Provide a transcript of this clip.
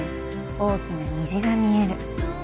「大きな虹が見える」